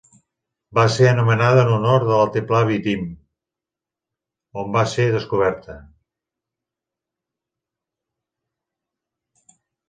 Va ser anomenada en honor de l'altiplà Vitim, on va ser descoberta.